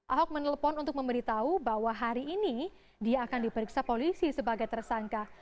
ahok menelpon untuk memberitahu bahwa hari ini dia akan diperiksa polisi sebagai tersangka